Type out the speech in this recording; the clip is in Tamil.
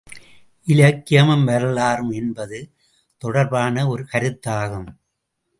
இலக்கியமும் வரலாறும் என்பது தொடர்பான ஒரு கருத்தாகும்.